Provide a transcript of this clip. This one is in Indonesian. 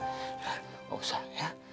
nggak usah ya